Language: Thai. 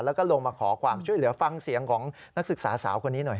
แล้วก็ลงมาขอความช่วยเหลือฟังเสียงของนักศึกษาสาวคนนี้หน่อย